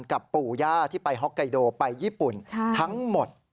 ปู่ย่าที่ไปฮอกไกโดไปญี่ปุ่นทั้งหมด